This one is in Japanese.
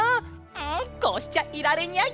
うんこうしちゃいられニャイ！